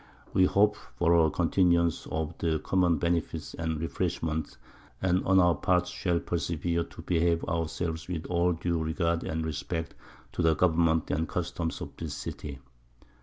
_ _We hope for a Continuance of the common Benefits and Refreshments, and on our Parts shall persevere to behave our selves with all due Regard and Respect to the Government and Customs of this City.